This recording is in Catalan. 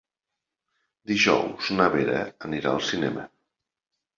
Dijous na Vera anirà al cinema.